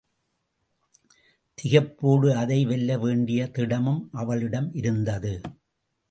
திகைப்போடு அதை வெல்ல வேண்டிய திடமும் அவளிடம் இருந்தது.